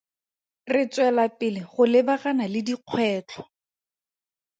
Re tswelapele go lebagana le dikgwetlho.